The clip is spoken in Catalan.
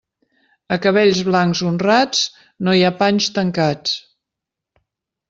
A cabells blancs honrats no hi ha panys tancats.